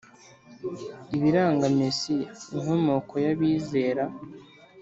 Ibiranga Mesiya inkomoko y’abizera